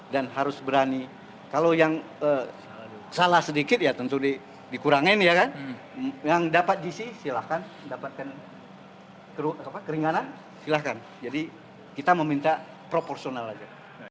dan harus berani kalau yang salah sedikit ya tentu dikurangin ya kan yang dapat jisi silahkan yang dapat keringanan silahkan jadi kita meminta proporsional aja